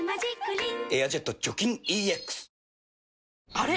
あれ？